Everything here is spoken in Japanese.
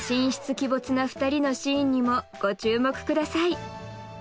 鬼没な２人のシーンにもご注目ください